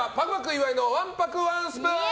岩井のわんぱくワンスプーン！